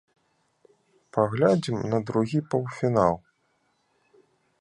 Паглядзім на другі паўфінал.